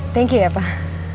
thank you ya pak